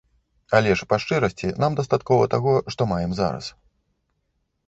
Але ж па шчырасці нам дастаткова і таго, што маем зараз.